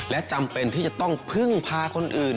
และจำเป็นที่จะต้องพึ่งพาคนอื่น